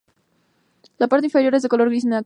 La parte inferior es de color gris claro.